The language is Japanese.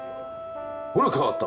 ほら変わった！